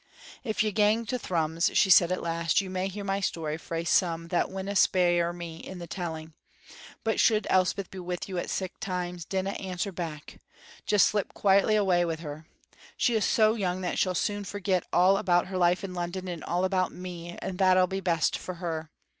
"If you gang to Thrums," she said at last, "you may hear my story frae some that winna spare me in the telling; but should Elspeth be wi' you at sic times, dinna answer back; just slip quietly away wi' her. She's so young that she'll soon forget all about her life in London and all about me, and that'll be best for her.